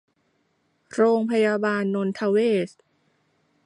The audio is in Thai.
โรงพยาบาลนนทเวช